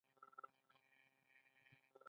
د کاکتوس پاڼې د څه لپاره وکاروم؟